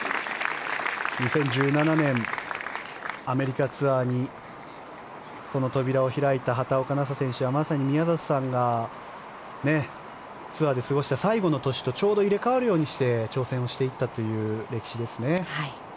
２０１７年、アメリカツアーにその扉を開いた畑岡奈紗選手はまさに宮里さんがツアーで過ごした最後の年とちょうど入れ替わるようにして挑戦をしていったという歴史ですね。